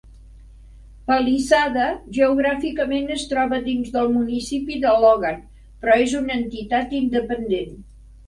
Palisade geogràficament es troba dins del municipi de Logan, però és una entitat independent.